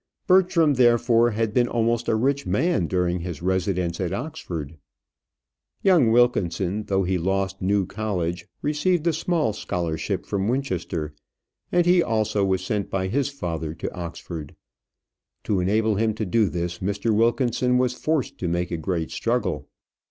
Bertram, therefore, had been almost a rich man during his residence at Oxford. Young Wilkinson, though he lost New College, received a small scholarship from Winchester, and he also was sent by his father to Oxford. To enable him to do this, Mr. Wilkinson was forced to make a great struggle.